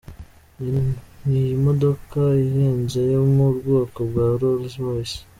Iyi ni imodoka ihenze yo mu bwoko bwa Rolls Royce.